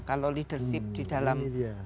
kalau leadership di dalam